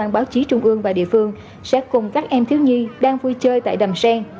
báo chí trung ương và địa phương sẽ cùng các em thiếu nhi đang vui chơi tại đàm sen